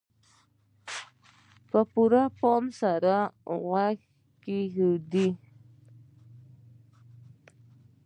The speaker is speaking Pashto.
په پوره پام سره غوږ کېږدئ.